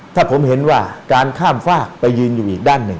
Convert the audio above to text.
ถ้าผมเห็นว่าการข้ามฝากไปยืนอยู่อีกด้านหนึ่ง